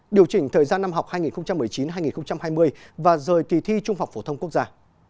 điều chỉnh thời gian năm học hai nghìn một mươi chín hai nghìn hai mươi và rời kỳ thi trung học phổ thông quốc gia